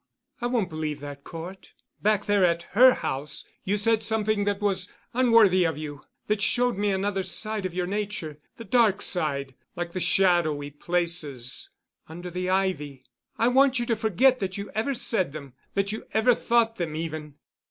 "I won't believe that, Cort. Back there at her house you said something that was unworthy of you, that showed me another side of your nature, the dark side, like the shadowy places under the ivy. I want you to forget that you ever said them—that you ever thought them even."